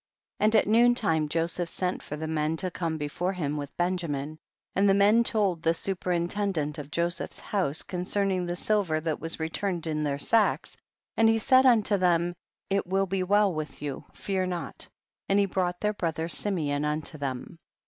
4. And at noon lime Joseph sent for the men to come before him with Benjamin, and the men told the superintendant of Joseph's house concerning the silver that was return ed in their sacks, and he said unto them, it will be well with you, fear not, and he brought their brother Simeon unto them.